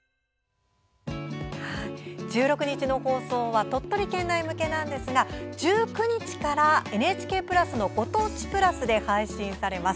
１６日の放送は鳥取県内向けですが１９日からＮＨＫプラスのご当地プラスで配信されます。